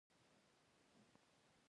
دل ازاري مه کوه، خون به مې واخلې